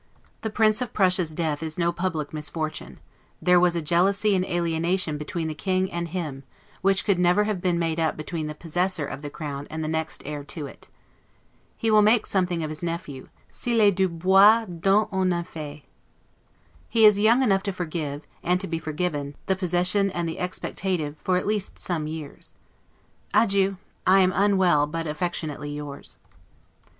The Prince of Prussia's death is no public misfortune: there was a jealousy and alienation between the King and him, which could never have been made up between the possessor of the crown and the next heir to it. He will make something of his nephew, 's'il est du bois don't on en fait'. He is young enough to forgive, and to be forgiven, the possession and the expectative, at least for some years. Adieu! I am UNWELL, but affectionately yours.